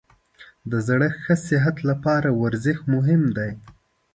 د زړه ښه صحت لپاره ورزش مهم دی.